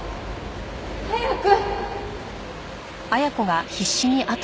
早く！